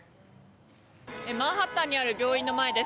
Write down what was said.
マンハッタンにある病院の前です。